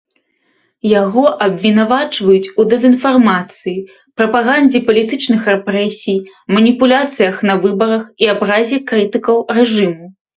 Яго абвінавачваюць у дэзінфармацыі, прапагандзе палітычных рэпрэсій, маніпуляцыях на выбарах і абразе крытыкаў рэжыму.